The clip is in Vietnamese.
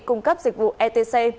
cung cấp dịch vụ etc